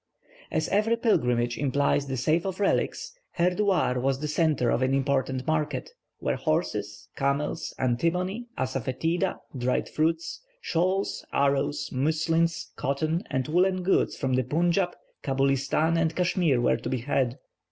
As every pilgrimage implies the sale of relics, Herdouar was the centre of an important market, where horses, camels, antimony, asafoetida, dried fruits, shawls, arrows, muslins, cotton and woollen goods from the Punjab, Cabulistan, and Cashmere, were to be had.